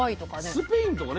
スペインとかね